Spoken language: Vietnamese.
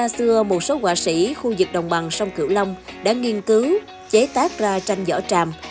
số quả sĩ khu vực đồng bằng sông cửu long đã nghiên cứu chế tác ra tranh vỏ tràm